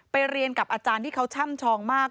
เรียนกับอาจารย์ที่เขาช่ำชองมาก